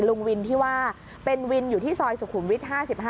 ลุงวินที่ว่าเป็นวินอยู่ที่ซอยสุขุมวิท๕๕